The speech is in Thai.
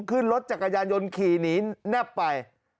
ขึ้นรถจักรยานยนต์ขี่หนีแนบไป